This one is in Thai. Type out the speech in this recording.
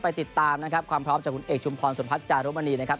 ติดตามนะครับความพร้อมจากคุณเอกชุมพรสุพัฒนจารุมณีนะครับ